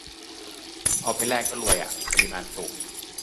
เอาไปแลกก็รวยอะ ปริมาณสูง